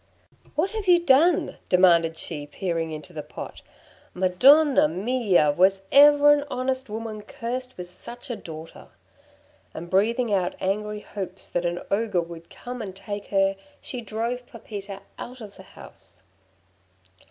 'What have you done?' demanded she, peering into the pot. 'Madonnamia! Was ever an honest woman cursed with such a daughter?' And breathing out angry hopes that an Ogre would come and take her, she drove Pepita out of the house.